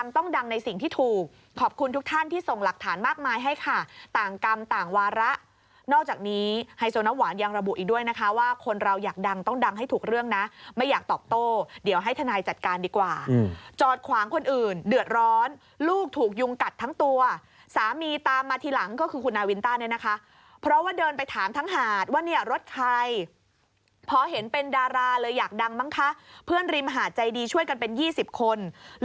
ทีนี้ไฮโซน้ำหวานยังระบุอีกด้วยนะคะว่าคนเราอยากดังต้องดังให้ถูกเรื่องนะไม่อยากตอกโต้เดี๋ยวให้ทนายจัดการดีกว่าจอดขวางคนอื่นเดือดร้อนลูกถูกยุงกัดทั้งตัวสามีตามมาทีหลังก็คือคุณนาวินตาเนี่ยนะคะเพราะว่าเดินไปถามทั้งหาดว่าเนี่ยรถไทยพอเห็นเป็นดาราเลยอยากดังมั้งคะเพื่อนริมหาใจดีช่วยกัน